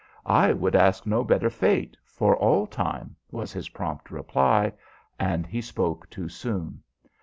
"I would ask no better fate for all time," was his prompt reply, and he spoke too soon.